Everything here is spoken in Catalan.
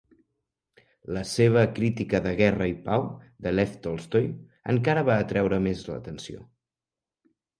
La seva crítica de "Guerra i pau" de Lev Tolstoi encara va atreure més l'atenció.